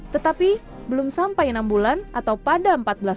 tetapi belum sampai enam bulan atau pada saatnya